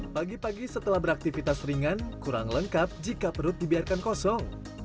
pagi pagi setelah beraktivitas ringan kurang lengkap jika perut dibiarkan kosong